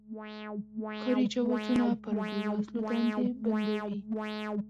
کاري جوازونه پر بې وزلو دندې بندوي.